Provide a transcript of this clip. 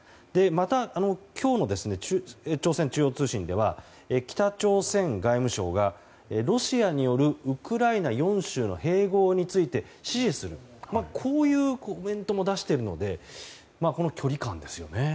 また今日の朝鮮中央通信では北朝鮮外務省が、ロシアによるウクライナ４州の併合について支持するというコメントも出しているのでこの距離感ですよね。